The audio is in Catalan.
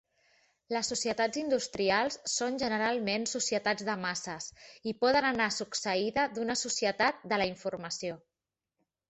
Les societats industrials són generalment societats de masses i poden anar succeïda d'una societat de la informació.